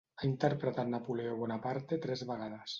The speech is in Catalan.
Ha interpretat Napoleó Bonaparte tres vegades.